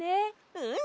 うん！